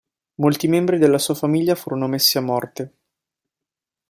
Molti membri della sua famiglia furono messi a morte.